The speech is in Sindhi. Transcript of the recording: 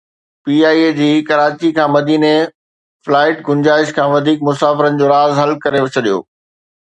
پي اي اي جي ڪراچي کان مديني فلائيٽ گنجائش کان وڌيڪ مسافرن جو راز حل ڪري ڇڏيو